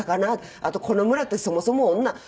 あとこの村ってそもそも女ねっ？